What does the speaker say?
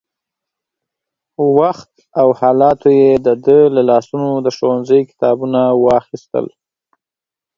وخت او حالاتو يې د ده له لاسونو د ښوونځي کتابونه واخيستل.